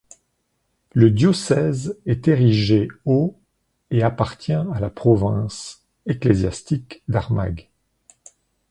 Le diocèse est érigé au et appartient à la province ecclésiastique d'Armagh.